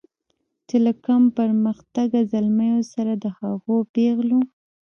چې له کم پرمختګه زلمیو سره د هغو پیغلو